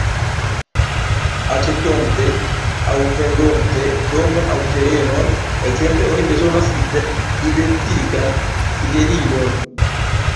Aĉetonte aŭ vendonte domon aŭ terenon, ekzemple, oni bezonas identigan sigelilon.